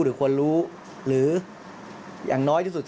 หรือความความโอเคเหมือนลูกตัว